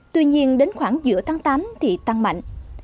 tuy nhiên đến khoảng giữa tháng tám thì tăng mạnh